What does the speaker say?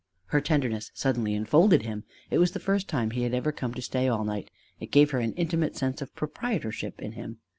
Her tenderness suddenly enfolded him: it was the first time he had ever come to stay all night: it gave her an intimate sense of proprietorship in him.